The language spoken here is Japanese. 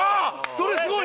それすごいいい！